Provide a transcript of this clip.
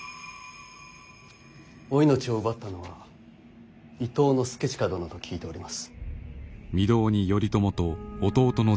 お命を奪ったのは伊東祐親殿と聞いております。